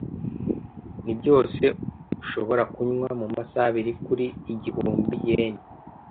Nibyose ushobora kunywa mumasaha ibiri kuri igibumbi yen.